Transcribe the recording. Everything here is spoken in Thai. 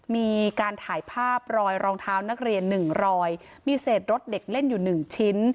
มีการถ่ายภาพรอยรองเท้านักเรียนหนึ่งรอยมีเศษรถเด็กเล่นอยู่๑ชิ้น